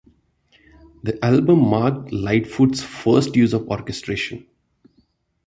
The album marked Lightfoot's first use of orchestration.